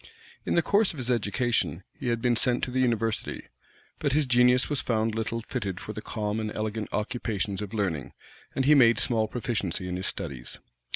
In the course of his education, he had been sent to the university; but his genius was found little fitted for the calm and elegant occupations of learning; and he made small proficiency in his studies.